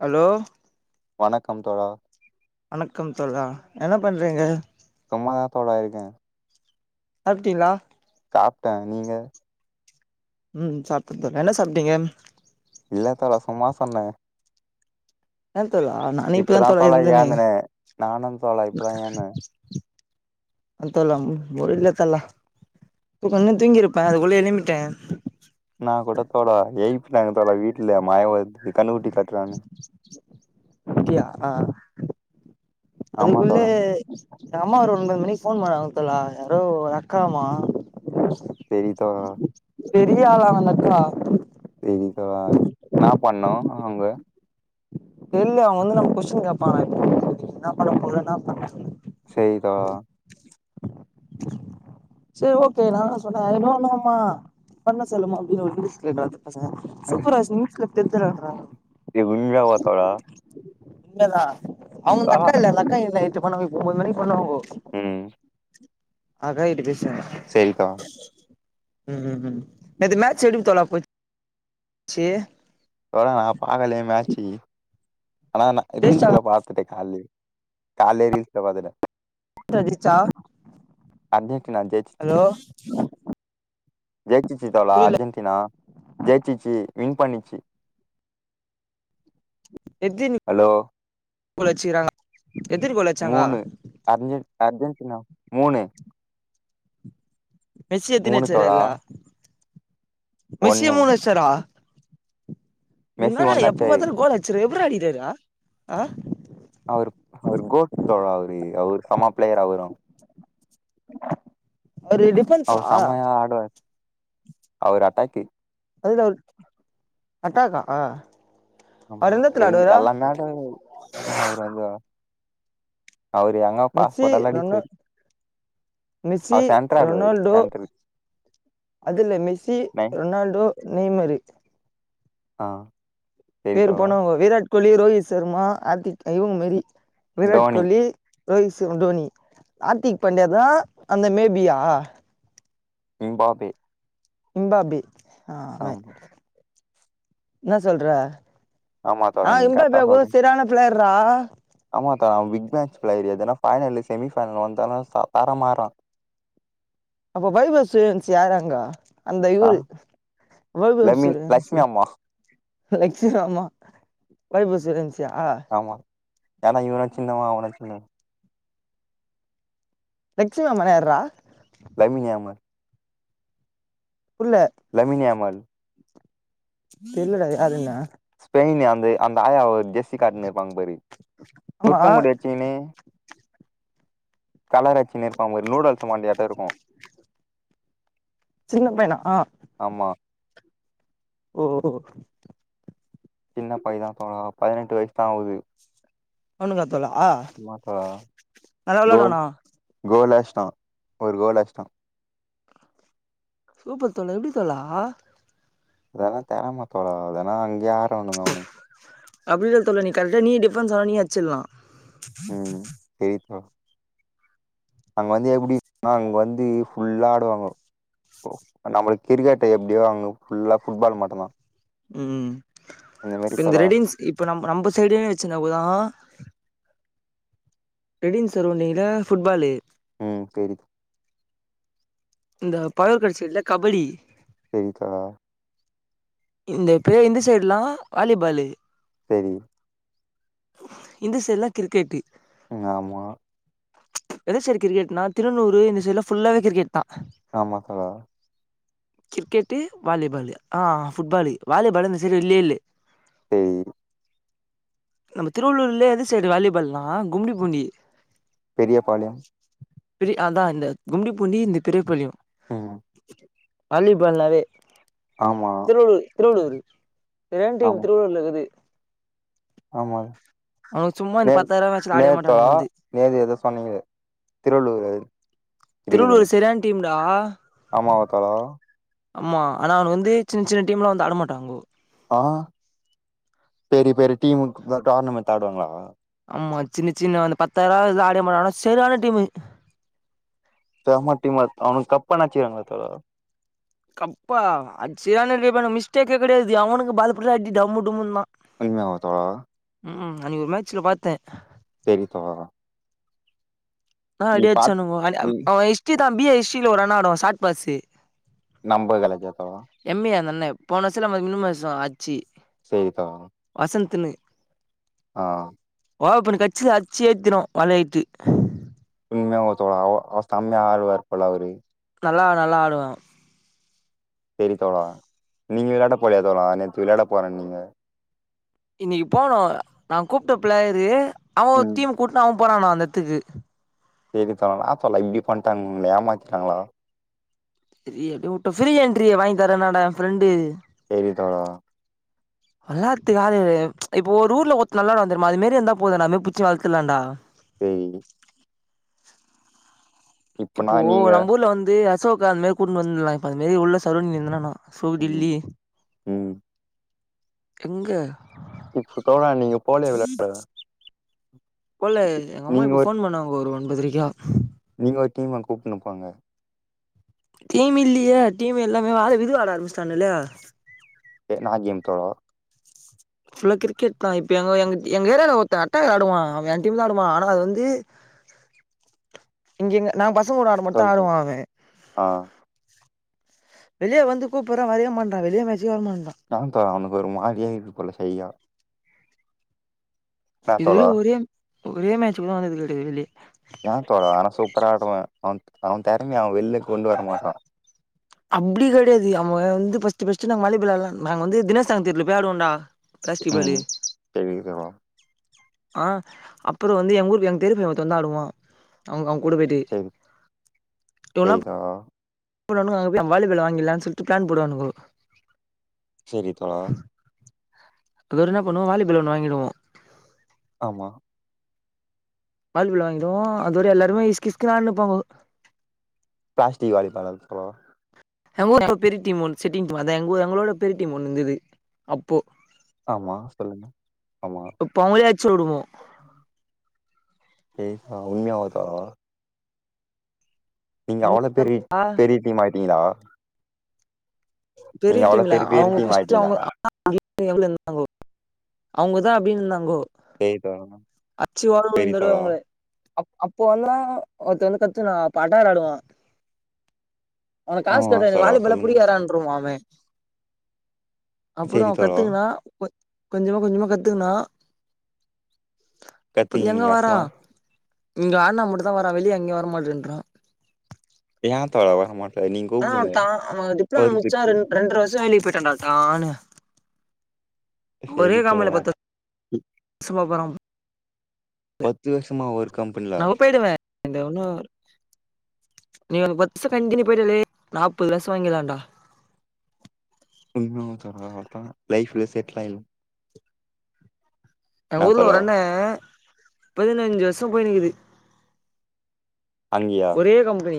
Hello வணக்கம் தோழா வணக்கம் தோழா என்ன பண்றீங்க சும்மாதா தோழா இருக்கே சாப்டிளா சாப்டே நீங்க ம் சாப்பிட்டே என்ன சாப்டீங்க இல்ல தோழா சும்மா சொன்னே என்ன தோழா நானே இப்பதா தோழா எந்தேனே நானு தோழா இப்பதா ஏந்தே தோழா முடியில தல கொஞ்சநேர தூங்கிருப்பே அதுக்குள்ளே எழும்பிட்டே நா கூட தோழா எய்ப்பினாங்க தோழா வீட்ல மய வருது கன்னுகுட்டி கட்றானு அப்டியா ஆமா அதுக்குள்ள தோழா எங்க அம்மா ஒரு ஒன்பது மணிக்கு போன் பண்ணாங்க தோழா யாரோ அக்காவா தெரியு தோழா பெரியாலா அந்த அக்கா தெரியு தோழா ன்னா பண்ணு அவுங்க தெர்ல அவங்க வந்து நம்ம கொஸ்டின் கேப்பாங்க என்ன பண்ண போற என்னா பண்ண சேரி தோழா சரி ஓகே நானு சொன்னே ஐ டோன் நோம்மா பண்ண சொல்லுமா அப்டின் இங்லீஸ்ல ரெண்டு வாத்து பேசினே சூப்பரா இங்கிலீஸ்ல டென்த் ரேங்கா எ உண்மயாவா தோழா இல்லா அவங்க தோழா அந்தக்கா இல்ல அந்த அக்கா இல்ல எட்டு பண்ணாங்க ஒம்பொது மணிக்கு போணாக்க போது ம் அக்காகிட்ட பேசுங்க சேரிக்கா ம் ம் ம் நேத்து மாட்ச் எப்படிங்க தோழா போச் சு தோழா நா பாகலயே மேச்சு ஆனா நா ஜெயிச்சாங்க ரீல்ஸ்ல பாத்துட்டே கால்லியே கால்லே ரீல்ஸ்ல பாத்துட்டே ஜெயிச்சா அர்ஜென்டினா ஜெய்ச்சிச்சு ஹலோ ஜெய்சிச்சு தோழா புரியல அர்ஜென்டினா ஜெய்சிச்சி வின் பண்ணிச்சு எத்தினி ஹலோ கோல் வச்சிக்கிறாங்க எத்தினி கோல் வச்சாங்க மூணு அர்ஜென் அர்ஜென்டினா மூணு மூணு மெஸ்சியத்தனச்சாரு தோழா அதுல்ல மெஸ்சியே ஒண்ணு மூணு அச்சாரா மெஸ்ஸி இதென்னடாது எப்ப ஒண்ணாச்சாரு பாத்தாலு கோல் அச்சுறு எப்பிர்றா அடிக்கிராரு. அ அ அவுருக் அவுரு கோட்தோ அவரு அவுர் சம பிளேயர் வரு. அவுருடிப் அவுர் சமயா ஆடுவார். அவுர் அட்டாக்கு. அதுத அவு அட்டாக்கா அ ஆமா ரெண்டு எல்லாமே அது அவுர் வந்து அவுரு ஏங்க மெஸ்ஸி பாஸ்போட்டல்லா ரொனா அடிப்பாரு. மெஸ்ஸி அவுர் சென்ட்ரா ஆடுவாரு ரொனால்டோ சென்ட்ரு. அதுல மெஸ்ஸி, ரொனால்டோ, நெய்மரு அ. பேரு போனவங்க விராட் கோலி, ரோஹித் சர்மா ஆர்த்திக் இவுங் மெரி விராட் டோனி கோலி ரோஹிஸ் இவ டோனி ஆர்த்திக் பாண்டியா தா அந்த மேபியா? இம்பாப்பே இம்பாபி ஆ அவ ஆமா என்ன சொல்ற? ஆமா தோழா ஆ நீங்க கரெக்டா இம்பாப்வே கூட சொல்றீங்க செரியான பிளேயர்ரா. ஆமா தல அவ பிக் மேச் பிளேயரு எதுனா ஃபைனல்ல செமிஃபைனல்ல வந்தானா சாதாரமா ஆட்றா. அப்ப வைப சூரியவன்சி யாரு அங்க? அந்த ஆ இவுரு வைபவ் லமீன் சூரியவன்சி. லட்சுமி அம்மா லக்ட்சுர் ஆமா வைபசூரயவன்சியா? ஆமா ஏனா இவுனு சின்னவ அவுனு சின்னவ. லக்சுமிராமானா யார்ரா? லமியமர் புர்ல. லமின் ஏமல் தெர்லடா யாருனு? ஸ்பெயின்ல அந்த அந்த ஆயா ஒரு ஜெஸ்ஸி காட்னுருப்பாங் பாரு ஆமா சுருட்ட முடி வெச்சுகினு. கலர் அச்சுகினு இர்பாங்க பாரு நூடுல்ஸ் மண்டையாட்டோ இருக்கு. சின்ன பையன ஆ ஆமா. ஓ ஓ. சின்ன பை தா‌ தோழா பதினெட்டு வயசு தா ஆவுது. அவுனுக்கா தோழா? ஆமா தோழா நல்லா கோல் விளாடுவானா கோல் ‌அச்ட்டா ஒரு கோல் அச்ட்டா. சூப்பர் தோழா எப்டி தோழா? அதெல்லா தெறம வேணா அங்கியே ஆறானுங்க அவுனுங்க அப்டி இல்ல தோழா நீ கரெக்டா நீ டிஃபரன்ஸ் ஆனா நீயு அச்சில்லா. தெரித் பா. அங்க வந்து எப்டினா அங்க வந்து ஃபுல்லா ஆடுவாங்கோ. ஒ நம்மளுக்கு கிரிக்கெட்ட எப்டியோ அங்க ஃபுல்லா ஃபுட்பால் மட்டுந்தா. ம் இப்போ இந்த தோழா ரெடின்ஸ் இப்போ நம் நம்ப சைடுன் வெச்சுனப்பதா ரெடின் சரவுண்டிங்ல ஃபுட்பாலு ம் தெரிது. இந்த பல் கடிச்சிட்ல கபடி தெரிது தோழா. இந்த பே இந்த சைட்லா வாலிபாலு. சரி இந்த சைட்ல்லா கிரிக்கேட்டு ஆமா எந்த சைடு கிரிக்கெட்னா திருநூறு இந்த சைட்ல ஃபுல்லாவே கிரிக்கேட் தா ஆமா [unintelligible] கிரிக்கேட்டு வாலிபாலு ஆ ஃபுட்பாலு வாலிபால் இந்த சேடு இல்லேலே ம் நம்ம திருவள்ளூர்லே எது சைடு வாலிபால்லா கும்டி பூண்டி பெரியபாளையம் அதா இந்த கும்டி பூண்டி இந்த பெரியபாளியு ம் வாலிபால்னாவே ஆமா திருவள்ளூர் திருவள்ளூரு [unintelligible] டீம் ஆமா திருவள்ளூர்ல இருக்குது ஆமா அவனுங்க சும்மா இந்த நே பத்தாயிரூவா மேட்ச்ல ஆடவே நேத்தா மாட்டானுங்க வந்து நேது எதோ சொன்னீங்களே திருவள்ளூர் திருவள்ளூர் சரியான டீம்டா ஆமா ஒருத்தரோ ஆமா ஆனா அவனுங்க வந்து சின்ன சின்ன டீம்லா வந்து ஆடமாட்டாங்கோ ஆஹ் பெரிய பெரிய டீமுக்குதா கார்னமெண்ட் ஆடுவாங்களா ஆமா சின்ன சின்ன அந்த பத்தாயிருவா ஆடே மாட்ட ஆனா சரியான டீம்மு செம்ம டீம் அவனுங்க கப்ப எத்னா அச்சிகிராங்களா தோழா கப்பா அட்ச்சியானில்லையோ மிஸ்டேக்கே கெடையாது எவனுக்கு பாலபுடி அடி டம்மு டும்முன் தா [unintelligible] ம்ஹும் அன்னிக்கு ஒரு மேட்சல பாத்த தெரித்தொவரா நா அப்டே பாத் அச்சானுங்கோ அ நீ அவ ஹிஸ்ட்ரி தா பி ஏ ஹி்ஸ்ட்ரில ஒரு அண்ணா ஆடுவ சாட் பாஸு நம்பகல ஜோத்தாவா எம் ஏ அந்தண்ண போன வருசத்துல நம்ம மினிமம் வருஷோ ஆச்சி சே த வசந்துனு ஆ ஓப்பன் கட்சி அச்சு ஏத்திரும் வலையிட்டு உண்மையா [unintelligible] அவ ஸ்தம்மியா ஆழ்வார் போல அவரு நல்லா நல்லா ஆடுவாங்க சரி தோழா நீங்க வெளாட போலயா தோழா நேத்து வெளாட போறன்னீங்க இன்னிக்கு போனூ நா கூப்ட்ட ப்ளயரு அவ ஒரு ம் டீம் கூட்னு அவ போறான்னா அந்த எத்துக்கு சரி தல வா தல இப்டி பண்ட்டாங்க உங்கள ஏமாத்திட்டாங்களா சரி அப்டே உட்ட ஃப்ரீஎன்ரிய வாங்கி தரன்னாட ஃப்ரெண்டு சரி தோழா வல்லாத்துக்கு ஆளு இப்போ ஒரு ஊர்ல ஒருத்த நல்லாடுவ தெர்மா அது மேரி இந்தா போது நாமே புச்சி வள்த்துலாண்டா பேய்ங் இப்ப நா இப்போ நீங்க நம்ம ஊர்ல வந்து அசோக் அந் மாரி கூட்னு வந்துலா இப்ப அது மேரி உள்ள சருணி இந்தனா என்ன சோ ம் டில்லி ம் எங்க இப்ப தோழா நீங்க போலியா விளாட போல எங்க அம்மா நீங்க இப்ப ஒரு ஃபோன் பண்ணாங்க ஒரு ஒன்பதிரைக்கா நீங்க ஒரு டீம் அங் கூப்னுபோங்க டீம் இல்லையே டீம் எல்லாமே வாழ விது வாட ஆரம்பிச்சிட்டானுல்ல தே நா கேம் தோ ஃபுல்லா கிரிக்கெட் தா இப்ப எங்க எங்க எங்க ஏரியால ஒருத்த அட்டாக்காடுவான் அவ என் டீம் தா ஆடுவா ஆனா அது வந்து இங்கெங்க நாங் பசங்கூட ஆடு மட்டூ தா சொல் ஆடுவோ தோழா ஆங ஆ வெளியே வந்து கூப்புற வரையே மாட்றா வெளியே மேச்கே வர மாட்றா நான் தா அவனுக்கு ஒரு மாரியா இருக்கு போல ஸைய்யா என்னா இது வெர தோழா ஒரே ஒரே மேட்சு கூட வந்தது கெடையாது வெளியே ஏ தோழா ஆனா சூப்பரா ஆடுவா அவன் அவன் தெறமய அவன் வெள்ளயே கொண்டு வர மாட்றா அப்டி கெடையாது அவ வந்து ஃபர்ஸ்டு ஃபர்ஸ்டு நாங் வாலிபால் ஆட்லான் நாங்க வந்து தினசாங் தெருவுல போய் ஆடுவோண்டா ப்ளாஸ்டிக்பாலு ம் சேரி தோழா ஆ அப்புறொ வந்து எங்கஊருக்கு எங்க தெரு பைய ஒருத்த வந்து ஆடுவா அவுங் அவுங்க கூட பேயிட்டு சேரி இவல்லா சேரி தோழா ன்னா பண்ணுவானுங்க அங்க போய் வாலிபால வாங்கிலான் சொல்ட்டு பிளான் போடுவானுங்கோ செரி தோழா அதுவர என்னா பண்ணுவோ வாலிபால் ஒன்னு வாங்டுவோ ஆமா வாலிபால் வாங்கிடுவோ அதோட எல்லாருமே இஸ்க்கிஸ்க்குனு ஆடினிப்பாங்கோ ப்ளாஸ்டிக் வாளி [unintelligible] ப்ரோ எங்க ஊரு பெரிய டீம் ஒன்னு செட்டிங் [unintelligible] எங்களோட பெரிய டீம் ஒன்னு இருந்துது அப்போ ஆமா சொல்லுங்க ஆமா இப்போ அவுங்களயே அச்சி ஓடவுடுவோ ஏய் பா உண்மையாவுதா நீங்க அவ்ளோ பெரிய ஆ பெரிய டீம் ஆயிட்டீங்களா பெரிய நீங்க அவ்ளோ டீம்ல பெரிய அவுங்கோ டீம் ஃபர்ஸ்டு ஆயிட்டீங்களா அவுங்க [unintelligible] இருந்தாங்கோ அவுங்கதா அப்டின்னு இருந்தாங்கோ பேய் கவனமா அச்சி ஓடவுடனு இந்தடவ அவுங்கள அப் அப்போ வந்தனா ஒருத்த வந்து கத்து நா பாட்டா விளாடுவோ அவன காஸ் ஆமா கேட்டா எனக்கு தோழா வாலிபாலே சொல்லுங்க புடிக்காதுடான் வுட்ருவோம் மாமே அப்புறோ சரி தோழா கத்துகினா கொஞ்சமா கொஞ்சமா கத்துகினா புள்ளய கத்திங்க எங்க நீங்க அப்மா வாரான் இங்க ஆட்ணா மட்டு தா வாரான் வெளியே எங்கயும் வர மாட்டேன்றா ஏ தோழா வரமாற் ஆ அத்தா அவன் டிப்ளமா முட்ச்சா பத்தி ரெண் ரெண்டர வர்ஷம் வேலக்கி போயிட்டான்டா டான்னு சேரி தோழா சும்மா போறோம் பத்து வருஷமா ஒரு கம்பெனில நா உ பேயிடுவே இது ஒன்னு நீ ஒரு பத்துஷொ கண்டினியு போயிட்டலே நாப்பது வருஷொ வாங்கிலாண்டா இன்னு [unintelligible] லைஃப்ல செட்லு ஆயிரு என்னா எங்க ஊர்ல தோழா ஒரு அண்ண பதினஞ்சு வருஷொ போயினுகுது அங்கியா ஒரே கம்பெனி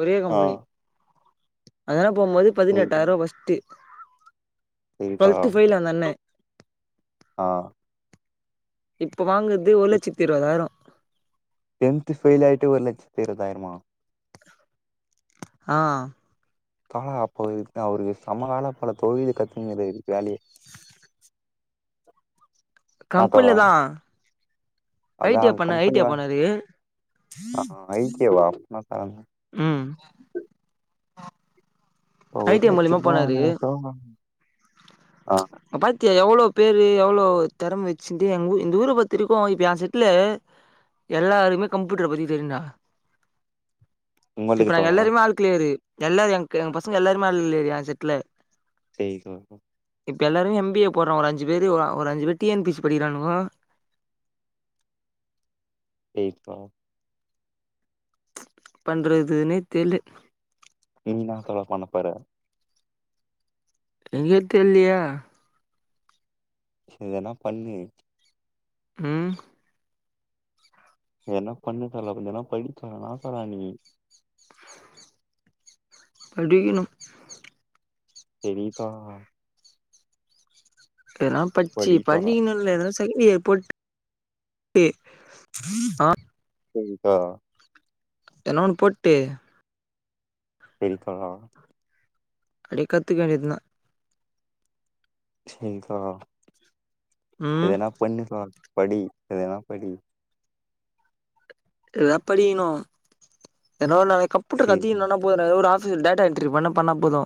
ஒரே ஆ கம்பெனி அதனால போம்போது சரி பதினெட்டாயரூவா ஃபஸ்டு ஏய்ஃபா ஃபெயில் அந்த அண்ணே [unintelligible] ஆ இப்போ வாங்குறது ஒரு லட்சத்தி இருவதாயிரோ டென்த் ஃபெயில் ஆயிட்டு ஒருலட்சத்து இருவதாயிரமா ஆ பா அப்போ அவரு அவருக்கு செமவேல போல தொழில கத்துன்னுருக்குறாரு வேலைய ஆ தோழா கம்பெனில தான் அதா கம்பெனி ஐ பண்ணாரு ஆ ஐ டி யேவா அப்பனா கெளம்புங்க ம் இப்ப ஐ டி ஐ ஒருலட்ச மூலியமா ரூபா போனாரு வாங்கற டோ நம் அப்ப பாத்தியா எவ்ளோ பேரு எவ்ளோ திறம வெச்சுட்டு எங்க இந்த ஊர பொறுத்த வரைக்கு இப்போ எயே செட்ல எல்லாருக்குமே கம்ப்யூட்டர பத்தி தெரியுடா இப்ப உங்களுக்கு நாங்க தோழா எல்லாருமே ஆள் க்ளியரு, எல்லா எங்க பசங்க எல்லாருமே ஆள் க்ளியரு எயே செட்ல சேரி தோழா இப்ப எல்லோருமே எம் பி ஏ போடுறோ ஒரு அஞ்சு பேரு ஒர் ஒரு அஞ்சு பேர் டி என் பி சி படிக்கிறானுங்கோ எய்த் தா பண்றதுன்னே தெர்லே நீனா தோழா பண்ணப் போற எனகே தெல்லியே சேர் எதனா பண்ணு ம் எதனா பண்ண தோழா கொஞ்சனா படித் தோழா நா தோழா நீ படிக்கணும் செரி தோழா எனா பச்சி படி தோழா படிக்கனுல்ல எதனா தெர்லியே போட்டு ஆ செரி தோழா என்னா ஒன்னு போட்டு செரி தோழா அப்டியே கத்துக்க வேண்டியதுனா செரி தோழா, ம் எதனா பண்ணு தோழா படி எதனா படி எதனா படிக்கணு எதான ஒன் நா கம்ப்யூட்டர் செரி கத்திக்கினோனா போதுடா எதோ ஒரு ஆஃபிஸ்ல டேட்டா என்ட்ரி பண்ண பண்ணா போது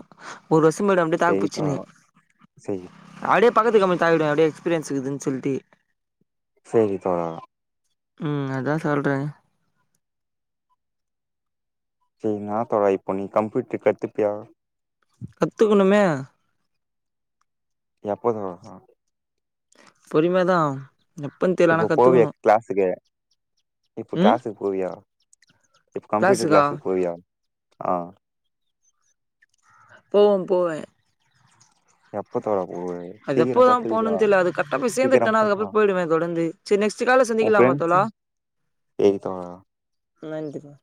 ஒரு வருஷோ போய்டோ அப்டியே செரி தாக்புட்சினு தோழா செரி அப்டியே பக்கத்து கம்பெனிக்கு தாவிடுவே அப்டியே எக்ஸ்பீரியன்ஸ் இருக்குதுன்னு சொல்லிட்டு சேரி தோழா ம் அதா சொல்றே சேரி நா தோழா இப்போ நீ கம்ப்யூட்டரு கத்துப்பியா கத்துக்கணுமே எப்போ தோழா பொறுமையா தா இப்போ போவியே கிளாஸுக்கு இப்போ ம் க்ளாஸுக் போவியா இப்ப கம்ப்யூட்டர் கிளாஸுக்கா கிளாஸுக்கு போவியா அ போவே போவே எப் அது எப்போதா போணும்னு தெர்ல அது கரெட்டா போயி சீக்கிரம் சேந்துட்டேனா போ தோழா அதுக்கப்புறம் போயிடுவே தொடர்ந்து சேரி நெக்ஸ்டு கால்ல சந்திக்கலாமா தோழா எய்த்து வாங்குனா நன்றிங்க